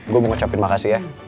gue mau ngucapin makasih ya